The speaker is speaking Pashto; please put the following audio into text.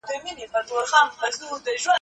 موږ غواړو د ستونزو په علت پوه سو.